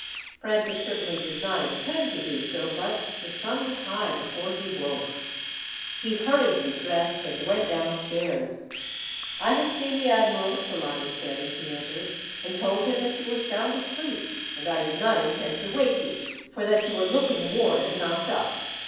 Francis certainly did not intend to do so, but the sun was high before he woke. He hurriedly dressed, and went downstairs. "I have seen the admiral," Polani said as he entered, "and told him that you were sound asleep, and I did not intend to wake you, for that you were looking worn and knocked up.